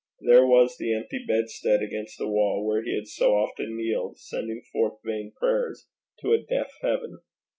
There was the empty bedstead against the wall, where he had so often kneeled, sending forth vain prayers to a deaf heaven!